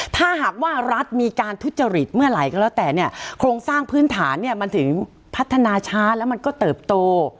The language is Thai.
ถ้าหากว่ารัฐมีการทุจริตเมื่อไหร่ก็แล้วแต่เนี่ยโครงสร้างพื้นฐานเนี่ยมันถึงพัฒนาช้าแล้วมันก็เติบโต